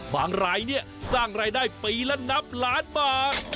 รายเนี่ยสร้างรายได้ปีละนับล้านบาท